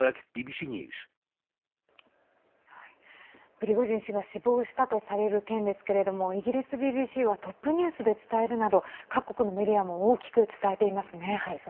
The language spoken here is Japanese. プリゴジン氏が死亡したとされる件ですけどもイギリスＢＢＣはトップニュースで伝えるなど各国のメディアも大きく伝えていますね。